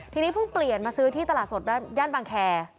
ทีนี้เพิ่งเปลี่ยนมาซื้อที่ตลาดสดย่านบางแคร์